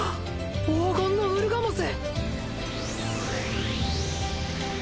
黄金のウルガモス！